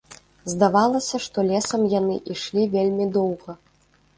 Здавалася, што лесам яны ішлі вельмі доўга.